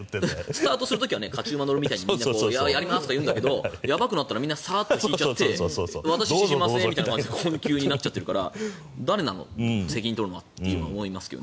スタートする時は勝ち馬に乗るみたいに私やりますって言うんだけどやばくなったらみんなサーっと引いて私知りませんっていう形になっているから誰なの、責任を取るのはってなってますけどね。